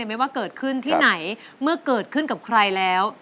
ไม่ว่าเกิดขึ้นที่ไหนเมื่อเกิดขึ้นกับใครแล้ว